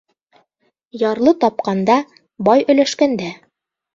Ярлы тапҡанда, бай өләшкәндә.